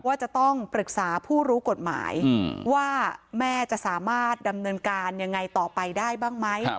ว่าจะต้องปรึกษาผู้รู้กฎหมายว่าแม่จะสามารถดำเนินการยังไงต่อไปได้บ้างไหม